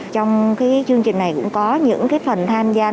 trong chương trình này cũng có những phần tham gia